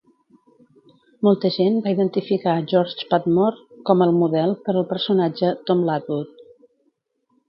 Molta gent va identificar George Padmore como al model per al personatge "Tom Lanwood".